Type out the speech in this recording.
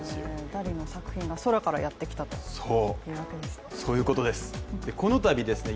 ダリの作品が空からやってきたということですね。